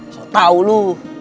so tau lu